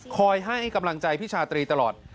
ให้กำลังใจพี่ชาตรีตลอด